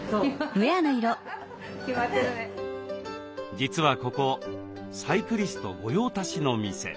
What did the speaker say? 実はここサイクリスト御用達の店。